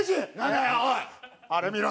あれ見ろ！